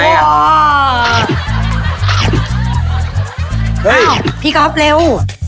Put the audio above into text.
อ้าวพี่ก๊อฟเร็ว